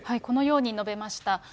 このように述べました。